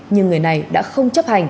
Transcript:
nhưng người này đã không